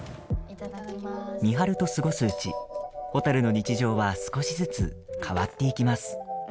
美晴と過ごすうちほたるの日常は少しづつ変わっていきます。